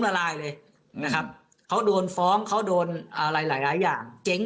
ละลายเลยนะครับเขาโดนฟอร์มเขาโดนเอ่อหลายอย่างเจ็๊้้ง